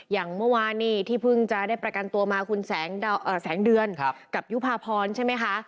อย่างเมื่อวานนี้ที่เพิ่งจะได้ประกันตัวมาคุณแสงเดือนกับยุภาพรใช่ไหมคะ